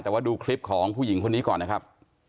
แต่ว่าดูคลิปของผู้หญิงคนนี้ก่อนนะครับ